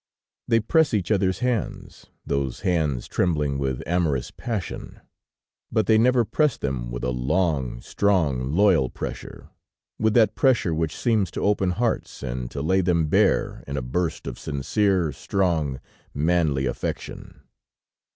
They press each other's hands, those hands trembling with amorous passion; but they never press them with a long, strong, loyal pressure, with that pressure which seems to open hearts and to lay them bare in a burst of sincere, strong, manly affection.